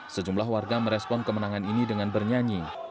sejumlah warga merespon kemenangan ini dengan bernyanyi